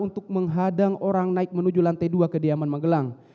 untuk menghadang orang naik menuju lantai dua kediaman magelang